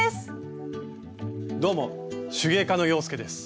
どうも手芸家の洋輔です。